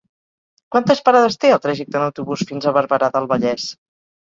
Quantes parades té el trajecte en autobús fins a Barberà del Vallès?